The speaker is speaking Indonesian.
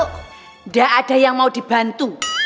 tidak ada yang mau dibantu